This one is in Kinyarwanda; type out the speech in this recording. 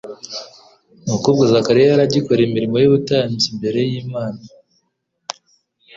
Nuko ubwo Zakariya yari agikora imirimo y'ubutambyi imbere y'Imana,